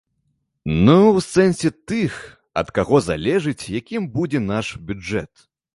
Ну, у сэнсе, тых, ад каго залежыць, якім будзе наш бюджэт.